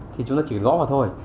thì chúng ta chỉ cần gõ vào thôi